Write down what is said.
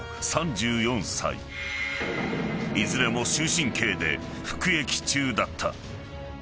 ［いずれも終身刑で服役中だった］